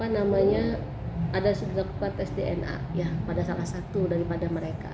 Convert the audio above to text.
jadi ada sudah lakukan tes dna pada salah satu daripada mereka